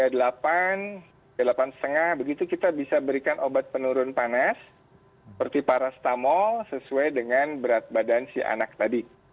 tapi kalau ada demam mungkin kalau di atas tiga puluh delapan tiga puluh delapan lima begitu kita bisa berikan obat penurun panas seperti parastamol sesuai dengan berat badan si anak tadi